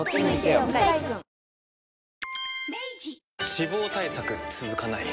脂肪対策続かない